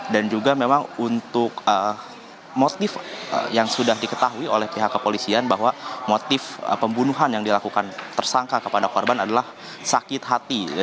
dan juga memang untuk motif yang sudah diketahui oleh pihak kepolisian bahwa motif pembunuhan yang dilakukan tersangka kepada korban adalah sakit hati